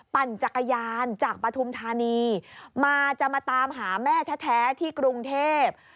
ปั่นจักรยานจากปฐุมธานีมาจะมาตามหาแม่แท้ที่กรุงเทพ